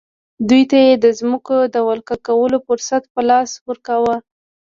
دوی ته یې د ځمکو د ولکه کولو فرصت په لاس ورکاوه.